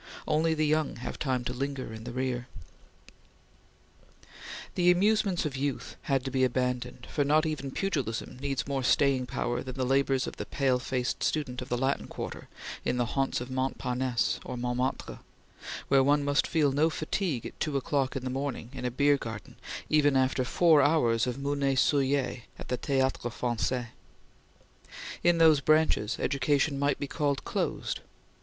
Only the young have time to linger in the rear. The amusements of youth had to be abandoned, for not even pugilism needs more staying power than the labors of the pale faced student of the Latin Quarter in the haunts of Montparnasse or Montmartre, where one must feel no fatigue at two o'clock in the morning in a beer garden even after four hours of Mounet Sully at the Theatre Francais. In those branches, education might be called closed.